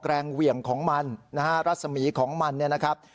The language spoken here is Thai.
แรงเหวี่ยงของมันรัศมีของมันนะครับ